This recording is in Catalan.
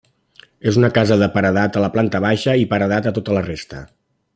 És una casa de paredat a la planta baixa i paredat a tota la resta.